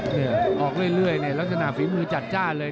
เนี่ยออกเรื่อยเนี่ยลักษณะฝีมือจัดจ้านเลย